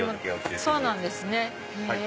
そうなんですね。